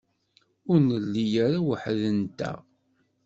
Ur nelli ara weḥd-nteɣ.